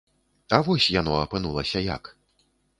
А вось яно апынулася як.